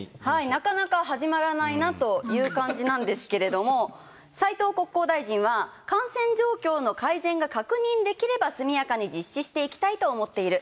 なかなか始まらないなという感じなんですけれども、斎藤国交大臣は、感染状況の改善が確認できれば速やかに実施していきたいと思っている。